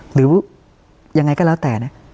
หรือยังไงก็แล้วแต่เนี่ย